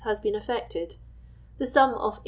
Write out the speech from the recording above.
has been effected ; the sum of 18